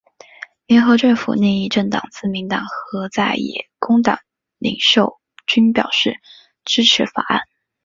联合政府另一政党自民党和在野工党领袖均表示支持法案。